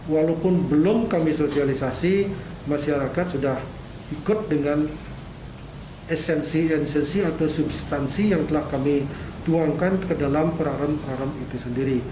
walaupun belum kami sosialisasi masyarakat sudah ikut dengan esensi esensi atau substansi yang telah kami tuangkan ke dalam peraram haram itu sendiri